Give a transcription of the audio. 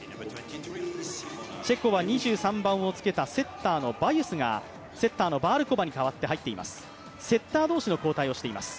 チェコは２３番をつけたセッターのバユスがセッターのバールコバに交代しています。